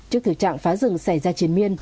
trước thực trạng phá rừng xảy ra chiến miên